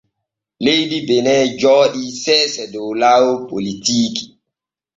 Leydi Benin jooɗi seese dow laawol politiiki.